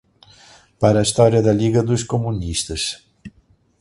Para a História da Liga dos Comunistas